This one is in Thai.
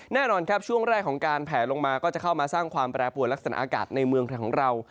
แน่นอนครับช่วงแรกของการแผลลงมาก็จะเข้ามาสร้างความแปรปวดลักษณะอากาศในเมืองไทยของเรา